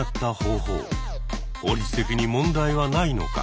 法律的に問題はないのか？